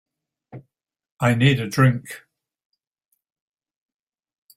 I need a drink.